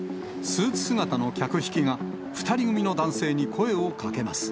スーツ姿の客引きが、２人組の男性に声をかけます。